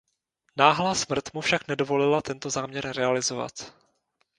Náhlá smrt mu však nedovolila tento záměr realizovat.